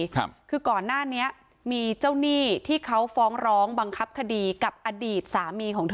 ครับคือก่อนหน้านี้มีเจ้าหนี้ที่เขาฟ้องร้องบังคับคดีกับอดีตสามีของเธอ